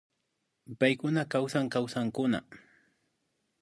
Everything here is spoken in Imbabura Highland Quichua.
Paykuna kawsan Kawsankuna